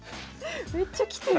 めっちゃ来てる。